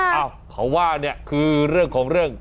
เอ้าเขาว่าเนี่ยคือเรื่องของเรื่อง